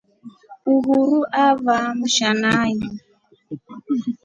Uhuru avamsha nai.